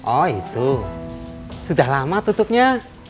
oh itu sudah lama tutupnya